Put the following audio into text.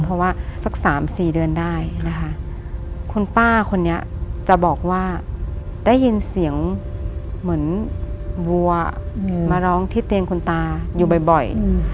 เพราะว่าสัก๓๔เดือนได้นะคะคุณป้าคนนี้จะบอกว่าได้ยินเสียงเหมือนวัวมาร้องที่เตียงคุณตาอยู่บ่อย